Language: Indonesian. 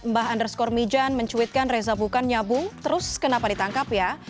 dari edmbah underscore mijan mencuitkan reza bukan nyabu terus kenapa ditangkap ya